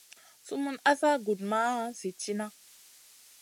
Sumun asa gudmaha zi tiyna.